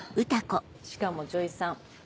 しかも女医さん。